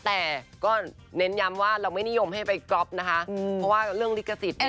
แต่ก็เน้นย้ำว่าเราไม่นิยมให้ไปก๊อฟนะคะเพราะว่าเรื่องลิขสิทธิ์